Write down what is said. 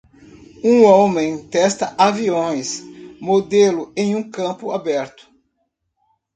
Um homem testa aviões modelo em um campo aberto.